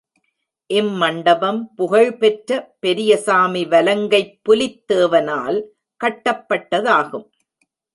இம் மண்டபம், புகழ் பெற்ற பெரியசாமி வலங்கைப் புலித் தேவ னால் கட்டப்பட்டதாகும்.